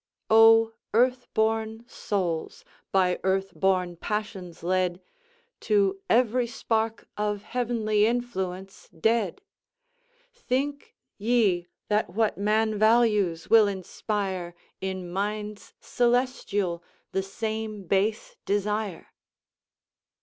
"O earth born souls! by earth born passions led, To every spark of heav'nly influence dead! Think ye that what man values will inspire In minds celestial the same base desire?"